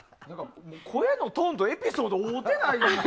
声のトーンとエピソードが合ってない。